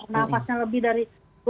nafasnya lebih dari